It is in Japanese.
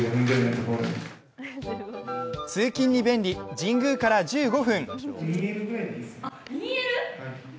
通勤に便利、神宮から１５分。